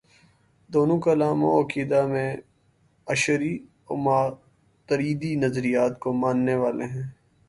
دونوں کلام و عقیدہ میں اشعری و ماتریدی نظریات کو ماننے والے ہیں۔